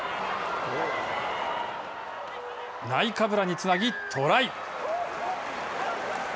ナイカブラにつなぎ、トライ！